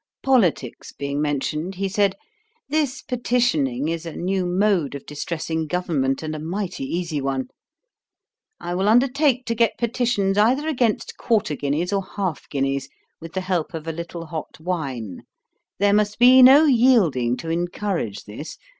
Politicks being mentioned, he said, 'This petitioning is a new mode of distressing government, and a mighty easy one. I will undertake to get petitions either against quarter guineas or half guineas, with the help of a little hot wine. There must be no yielding to encourage this.